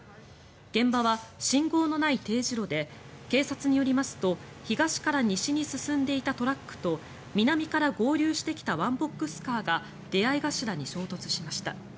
現場は信号のない丁字路で警察によりますと東から西に進んでいたトラックと南から合流してきたワンボックスカーが出会い頭に衝突しました。